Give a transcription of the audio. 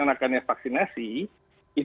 atau menunda vaksinasi di kota yang pun